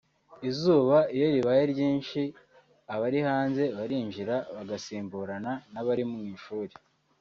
Izuba iyo ribaye ryinshi abari hanze barinjira bagasimburana n’abari mu ishuri